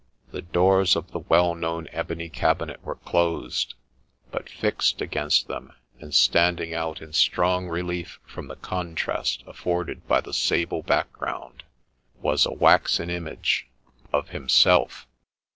The doors of the well known ebony cabinet were closed ; but fixed against them, and standing out in strong relief from the contrast afforded by the sable background, was a waxen image — of himself